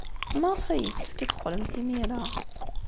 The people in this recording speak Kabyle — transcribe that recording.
Maɣef ay yessefk ad teqqlemt imir-a?